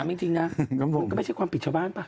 เอาจริงนะมันก็ไม่ใช่ความผิดชาวบ้านป่ะ